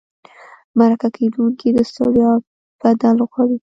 مرکه کېدونکي د ستړیا بدل غواړي.